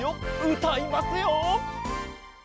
うたいますよ！